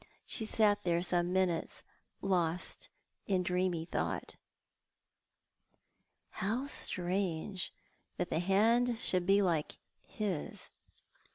She sat there some minutes, lost in dreamy thought. " How strange that the hand should be like his